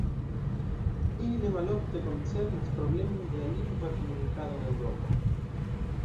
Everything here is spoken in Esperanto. Ili ne malofte koncernas problemojn de la lingva komunikado en Eŭropo.